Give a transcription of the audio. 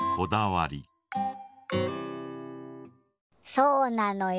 そうなのよ。